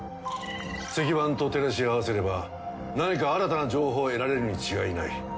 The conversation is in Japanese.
石板と照らし合わせれば何か新たな情報を得られるに違いない。